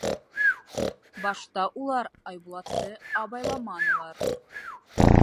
Башта улар Айбулатты абайламанылар.